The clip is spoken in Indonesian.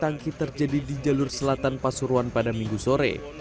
tangki terjadi di jalur selatan pasuruan pada minggu sore